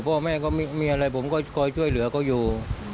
พ่อแม่เขามีอะไรผมก็คอยช่วยเหลือเขาอยู่